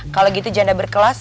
kalau gitu janda berkelas